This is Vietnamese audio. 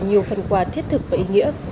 nhiều phần quà thiết thực và ý nghĩa